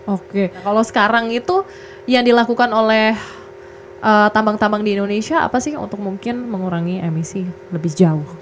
oke kalau sekarang itu yang dilakukan oleh tambang tambang di indonesia apa sih untuk mungkin mengurangi emisi lebih jauh